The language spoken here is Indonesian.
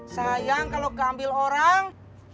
sayang kalau keambil orang